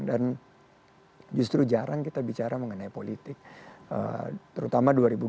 dan justru jarang kita bicara mengenai politik terutama dua ribu dua puluh empat